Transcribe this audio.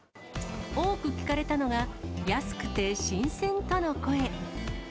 多く聞かれたのが、安くて新鮮との声。